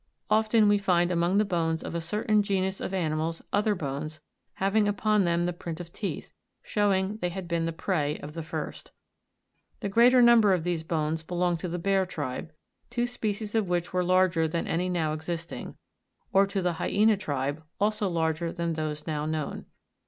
Often we find among the bones of a certain genus of animals other bones, having upon them the print of teeth, showing they had been the prey of the first. The greater number of these bones belong to the bear tribe, two species of which were larger than any now existing ; or to the hyena tribe, also larger than those now known.